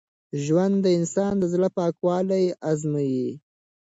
ژوند د انسان د زړه پاکوالی ازمېيي.